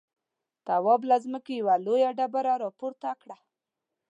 تواب له ځمکې يوه لويه ډبره ورپورته کړه.